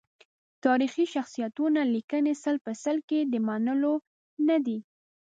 تاریخي شخصیتونو لیکنې سل په سل کې د منلو ندي.